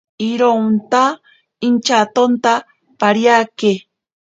Ironta intyatonta pariake.